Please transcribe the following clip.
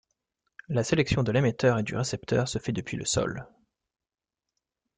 La sélection de l'émetteur et du récepteur se fait depuis le sol.